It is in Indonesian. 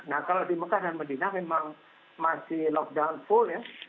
nah kalau di mekah dan medina memang masih lockdown full ya